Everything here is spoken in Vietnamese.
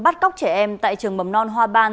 bắt cóc trẻ em tại trường mầm non hoa ban